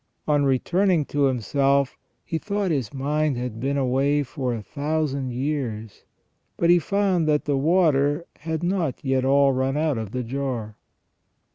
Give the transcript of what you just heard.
On returning to himself he thought his mind had been away for a thousand years, but he found that the water had not yet all run out of the jar.